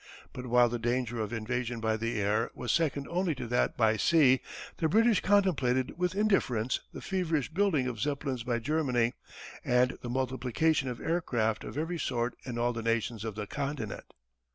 But while the danger of invasion by the air was second only to that by sea the British contemplated with indifference the feverish building of Zeppelins by Germany, and the multiplication of aircraft of every sort in all the nations of the continent.